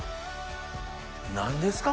何ですか？